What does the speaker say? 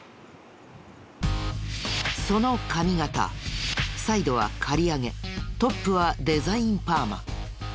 その髪形サイドは刈り上げトップはデザインパーマ。